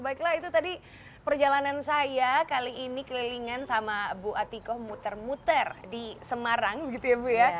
baiklah itu tadi perjalanan saya kali ini kelilingan sama bu atiko muter muter di semarang gitu ya bu ya